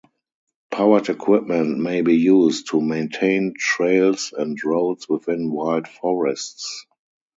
Powered equipment may be used to maintain trails and roads within Wild Forests.